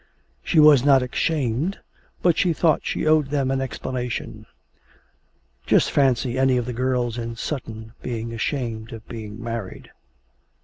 She was not ashamed, but she thought she owed them an explanation. Just fancy any of the girls in Sutton being ashamed of being married!'